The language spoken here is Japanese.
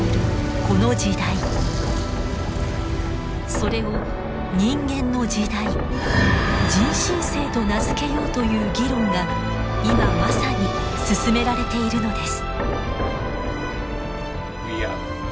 それを人間の時代人新世と名付けようという議論が今まさに進められているのです。